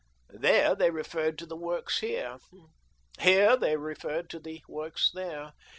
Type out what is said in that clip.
There they referred to the works here. Here they referred to the works there.